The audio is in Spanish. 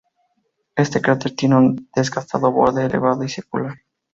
Este cráter tiene un desgastado borde elevado y circular.